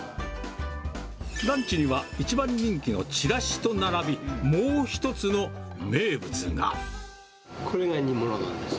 ランチには一番人気のちらしと並び、これがにもの丼です。